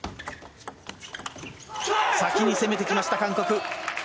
先に攻めてきた韓国。